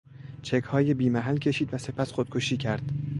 چکهای بیمحل کشید و سپس خودکشی کرد.